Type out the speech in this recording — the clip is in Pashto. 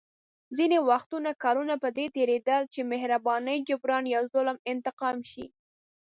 ځینې وختونه کلونه په دې تېرېدل چې مهرباني جبران یا ظلم انتقام شي.